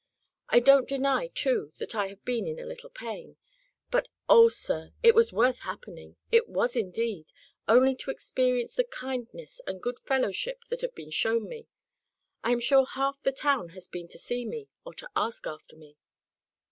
I don't deny, too, that I have been in a little pain. But oh, sir! it was worth happening! it was indeed; only to experience the kindness and good fellowship that have been shown me. I am sure half the town has been to see me, or to ask after me."